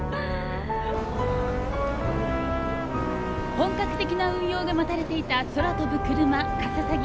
本格的な運用が待たれていた空飛ぶクルマかささぎ。